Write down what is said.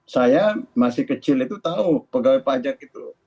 saya masih kecil itu tahu pegawai pajak itu